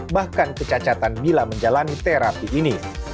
bahkan kecacatan bila menjalani terapi ini